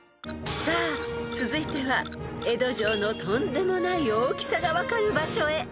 ［さあ続いては江戸城のとんでもない大きさが分かる場所へ］